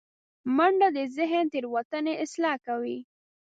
منډه د ذهن تیروتنې اصلاح کوي